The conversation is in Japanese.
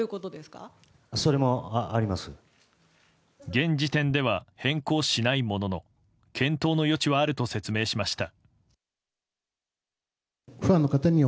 現時点では変更しないものの検討の余地はあると説明しました。